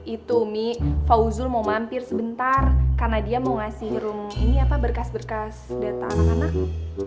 itu umi fauzul mau mampir sebentar karena dia mau ngasih rum ini apa berkas berkas data anak anak